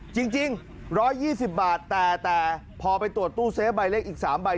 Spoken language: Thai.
จริง๑๒๐บาทแต่พอไปตรวจตู้เซฟใบเล็กอีก๓ใบ